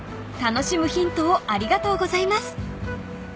楽しむヒントをありがとうございます］